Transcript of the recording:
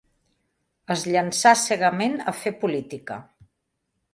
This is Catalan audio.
Es llançà cegament a fer política.